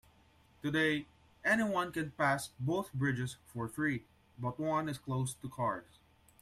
Today, anyone can pass both bridges for free, but one is closed to cars.